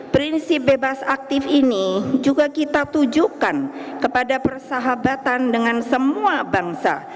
prinsip bebas aktif ini juga kita tujukan kepada persahabatan dengan semua bangsa